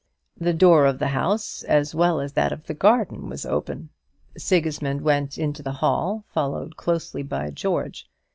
The door of the house, as well as that of the garden, was open. Sigismund went into the hall, followed closely by George.